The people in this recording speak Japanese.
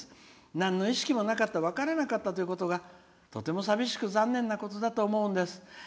なんの意識もなかった分からなかったということがとても寂しく残念なことだと思うんです」。